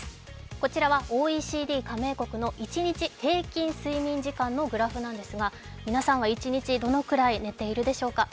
こちらはＯＥＣＤ加盟国の一日平均睡眠時間のグラフなんですが、皆さんは一日どのぐらい寝ているでしょうか。